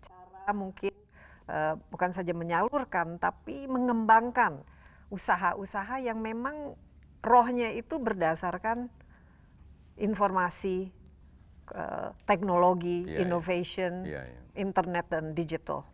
cara mungkin bukan saja menyalurkan tapi mengembangkan usaha usaha yang memang rohnya itu berdasarkan informasi teknologi innovation internet dan digital